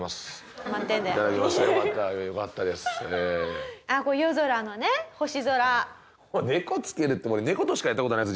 おでこつけるって猫としかやった事ないです